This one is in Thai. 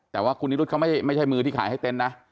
แต่ว่าคุณนิรุธเขาไม่ใช่มือที่ขายให้เต็นต์นะ